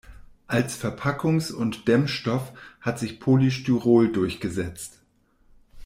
Als Verpackungs- und Dämmstoff hat sich Polystyrol durchgesetzt.